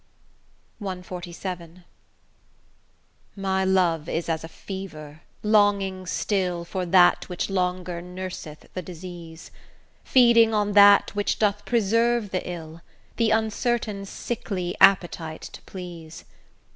CXLVII My love is as a fever longing still, For that which longer nurseth the disease; Feeding on that which doth preserve the ill, The uncertain sickly appetite to please.